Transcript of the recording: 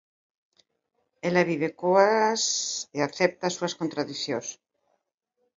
Ela vive coas e acepta as súas contradicións.